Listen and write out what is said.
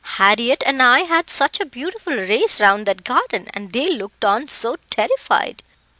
Harriett and I had such a beautiful race round that garden, and they looked on so terrified."